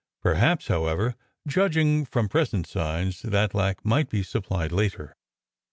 Perhaps, however, judging from present signs, that lack might be supplied later.